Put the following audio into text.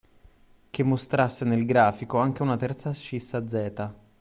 Che mostrasse nel grafico anche una terza ascissa z.